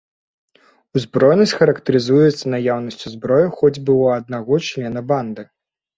Узброенасць характарызуецца наяўнасцю зброі хоць бы ў аднаго члена банды.